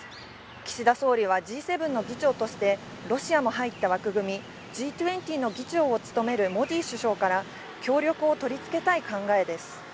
岸田総理はＧ７の議長としてロシアも入った枠組み、Ｇ２０の議長を務めるモディ首相から、協力を取り付けたい考えです。